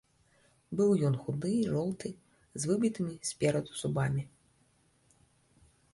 Быў ён худы, жоўты, з выбітымі спераду зубамі.